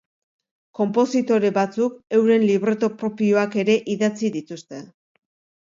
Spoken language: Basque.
Konpositore batzuk euren libreto propioak ere idatzi dituzte.